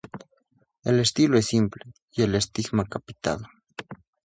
El estilo es simple, y el estigma capitado.